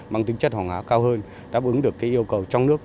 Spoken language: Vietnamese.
mang tính chất hoàng hóa cao hơn đáp ứng được yêu cầu trong nước